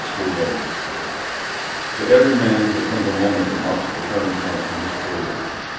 SCHOOL DAYS To every man there comes a moment that marks the turning point of his career.